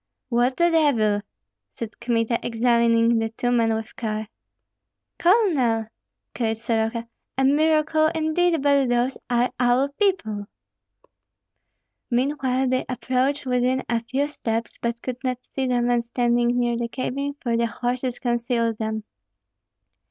"What the devil!" said Kmita, examining the two men with care. "Colonel!" cried Soroka, "a miracle indeed, but those are our people." Meanwhile they approached within a few steps, but could not see the men standing near the cabin, for the horses concealed them.